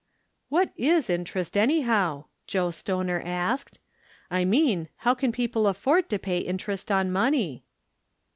"What is interest, anyhow?" Joe Stoner asked. " I mean, how can people afford to pay interest on money